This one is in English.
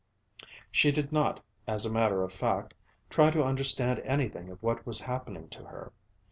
She did not, as a matter of fact, try to understand anything of what was happening to her.